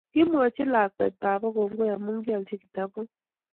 Kimwochi lakwet baba kongoi amu koalji kitabut